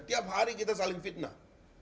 tiap hari kita saling fitnah